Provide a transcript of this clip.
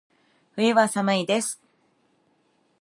冬は、寒いです。